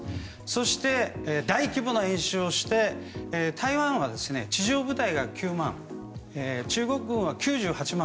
そして、大規模な演習をして台湾は地上部隊が９万中国軍は９８万。